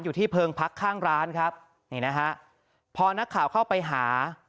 เพิงพักข้างร้านครับนี่นะฮะพอนักข่าวเข้าไปหา